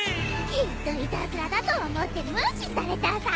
きっといたずらだと思って無視されたさ。